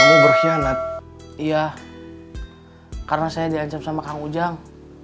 iya karena saya diancam sama kang ujang